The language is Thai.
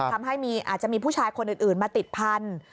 อาจจะมีผู้ชายคนอื่นมาติดพันธุ์